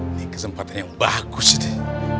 ini kesempatan yang bagus ini